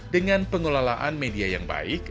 dengan pengelolaan media yang baik